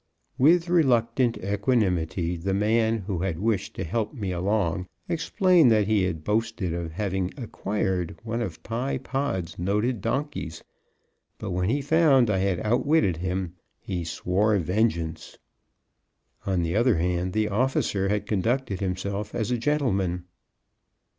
With reluctant equanimity the man who had wished to help me along explained that he had boasted of having acquired one of Pye Pod's noted donkeys, but when he found I had outwitted him, he swore vengeance. On the other hand, the officer had conducted himself as a gentleman.